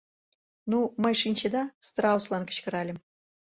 Ну, мый, шинчеда, страуслан кычкыральым.